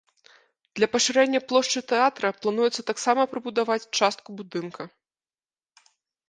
Для пашырэння плошчы тэатра плануецца таксама прыбудаваць частку будынка.